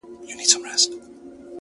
زړه وه زړه ته لاره لري-